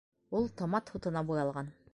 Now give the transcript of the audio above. Ул томат һутына буялған.